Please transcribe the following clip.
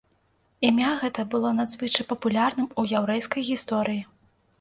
Імя гэта было надзвычай папулярным у яўрэйскай гісторыі.